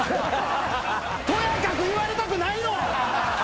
とやかく言われたくないの！